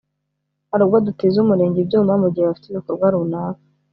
hari ubwo dutiza umurenge ibyuma mu gihe bafite ibikorwa runaka